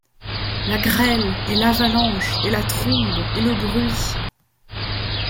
La grêle, et l’avalanche, et la trombe, et le bruit